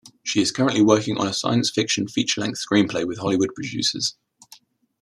She is currently working on a science fiction feature-length screenplay with Hollywood producers.